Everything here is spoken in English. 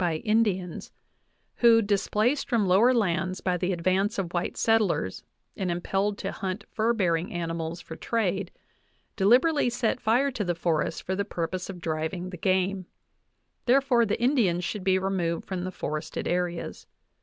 VIII by Indians, who, displaced from lower lands by the advance of white settlers and impelled to hunt fur bearing animals for trade, deliberately set fire to the forests for the purpose of driving the game; therefore the Indians should be removed from the forested areas.